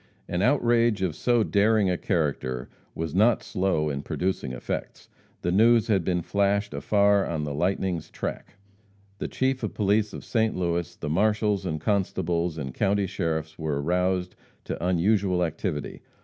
An outrage of so daring a character was not slow in producing effects. The news had been flashed afar on the lightning's track. The Chief of Police of St. Louis, the marshals and constables, and county sheriffs were aroused to unusual activity.